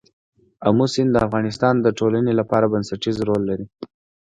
آمو سیند د افغانستان د ټولنې لپاره بنسټيز رول لري.